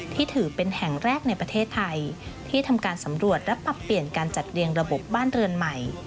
ที่ถือเป็นแห่งแรกในประเทศไทยที่ทำการสำรวจและปรับเปลี่ยนการจัดเรียงระบบบ้านเรือนใหม่